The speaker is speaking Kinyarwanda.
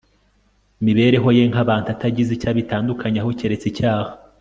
mibereho ye nk'abantu, atagize icyo abitandukanyaho keretse icyaha